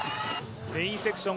メインセクション